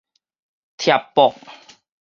疊駁